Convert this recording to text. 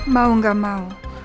mau gak mau